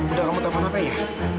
udah kamu tau sama apa ya